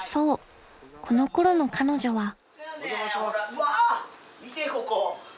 うわ見てここ。